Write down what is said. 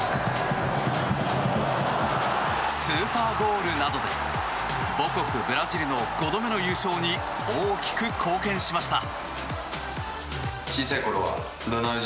スーパーゴールなどで母国ブラジルの５度目の優勝に大きく貢献しました。